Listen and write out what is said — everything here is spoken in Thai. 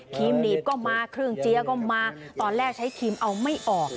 รีมหนีบก็มาเครื่องเจี๊ยก็มาตอนแรกใช้ครีมเอาไม่ออก